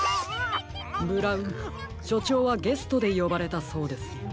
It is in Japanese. ブラウンしょちょうはゲストでよばれたそうですよ。